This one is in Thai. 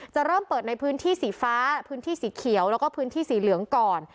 จะเริ่มเปิดในพื้นที่สีฟ้าพื้นที่สีเขียวแล้วก็พื้นที่สีเหลืองก่อน